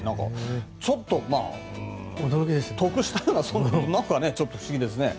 ちょっと得したようなちょっと不思議ですね。